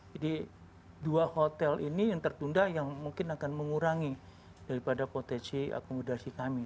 jadi dua hotel ini yang tertunda yang mungkin akan mengurangi daripada potensi akomodasi kami